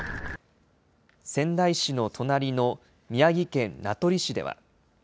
仙台市の隣の宮城県名取市では。